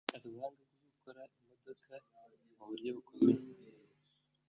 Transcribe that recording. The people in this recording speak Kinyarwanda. Afite ubuhanga bwo gukora imodoka mu buryo bukomeye